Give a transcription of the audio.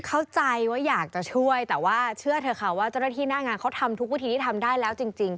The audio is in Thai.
เข้าใจว่าอยากจะช่วยแต่ว่าเชื่อเถอะค่ะว่าเจ้าหน้าที่หน้างานเขาทำทุกวิธีที่ทำได้แล้วจริง